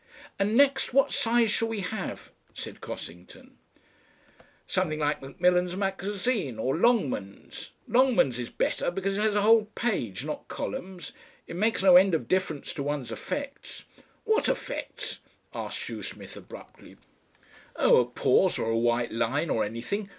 "And next, what size shall we have?" said Cossington. "Something like MACMILLAN'S MAGAZINE or LONGMANS'; LONGMANS' is better because it has a whole page, not columns. It makes no end of difference to one's effects." "What effects?" asked Shoesmith abruptly. "Oh! a pause or a white line or anything.